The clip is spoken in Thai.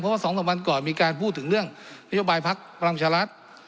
เพราะว่าสองสักวันก่อนมีการพูดถึงเรื่องพฤบายพักษ์พรรมชาลัด